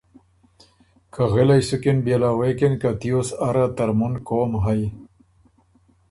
که غِلئ سُکِن بيې له غوېکِن که ” تیوس اره ترمُن قوم هئ